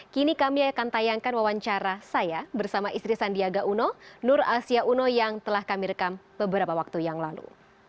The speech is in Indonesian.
kini kami akan tayangkan wawancara saya bersama istri sandiaga uno nur asia uno yang telah kami rekam beberapa waktu yang lalu